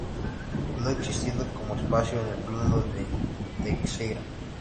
No existiendo como espacio en el plano de Teixeira.